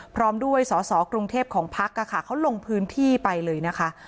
พร้อมด้วยสอสอกรุงเทพของพักเขาลงพื้นที่ไปเลยนะคะ